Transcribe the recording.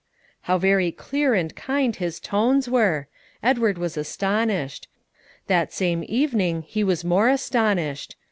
How very clear and kind his tones were! Edward was astonished. That same evening he was more astonished.